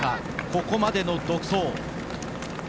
ここまでの独走。